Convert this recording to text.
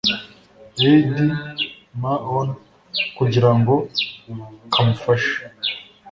aide ma on kugira ngo kamufashe